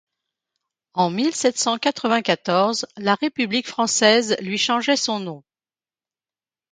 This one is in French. En mille sept cent quatre-vingt-quatorze, la république française lui changeait son nom.